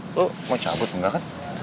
lo mau cabut enggak kan